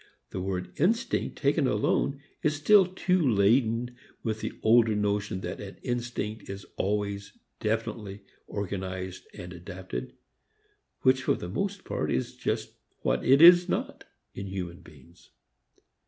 The word instinct taken alone is still too laden with the older notion that an instinct is always definitely organized and adapted which for the most part is just what it is not in human beings.